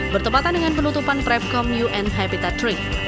bertepatan dengan penutupan prepcom un habitat tiga